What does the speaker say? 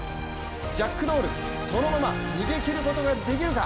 ジャックドール、そのまま逃げ切ることができるか？